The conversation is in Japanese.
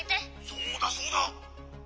「そうだそうだ」。